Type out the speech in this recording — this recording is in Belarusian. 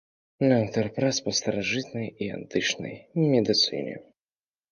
Аўтар прац па старажытнай і антычнай медыцыне.